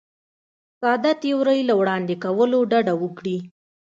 ساده تیورۍ له وړاندې کولو ډډه وکړي.